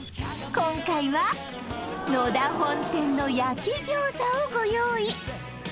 今回は野田本店の焼餃子をご用意